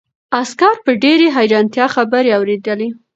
عسکر په ډېرې حیرانتیا خبرې اورېدلې.